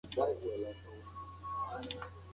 نثر مسجع لوستونکي ته ترتیب ښیي.